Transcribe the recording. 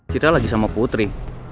cita lagi sama putri